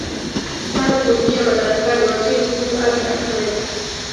tangu kuingia madarakani Waziri Mkuu Abiy Ahmed